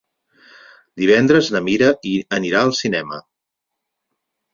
Divendres na Mira anirà al cinema.